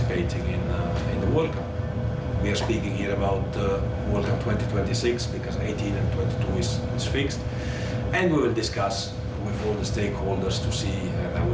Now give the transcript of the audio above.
เพราะว่าฟุตบอลไม่ใช่แบบนี้แค่อเมริกาฟุตบอลเป็นแบบนี้